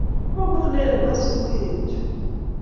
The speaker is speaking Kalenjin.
Wamunee nebo asubuhi biichu?---